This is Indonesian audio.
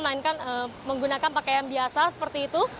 melainkan menggunakan pakaian biasa seperti itu